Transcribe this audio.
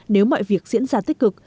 nếu mọi việc diễn ra tích cực